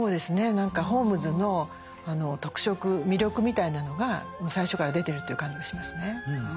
何かホームズの特色魅力みたいなのが最初から出てるっていう感じがしますね。